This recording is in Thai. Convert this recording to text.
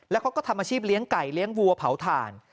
แล้วเขาก็ทำอาชีพเลี้ยงไก่เลี้ยงวัวเผาถ่าน